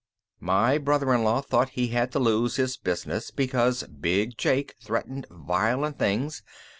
My brother in law thought he had to lose his business because Big Jake threatened violent things.